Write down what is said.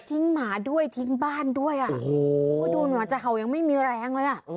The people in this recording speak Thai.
ทิ้งหมาด้วยทิ้งบ้านด้วยอ่ะดูหนัวจ่าเข่ายังไม่มีแรงเลยอ่ะ